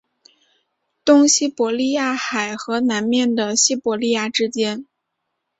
东西伯利亚海和南面的西伯利亚之间。